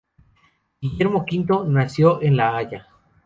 Guillermo V nació en La Haya.